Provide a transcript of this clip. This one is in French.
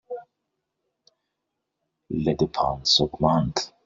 Les dépenses augmentent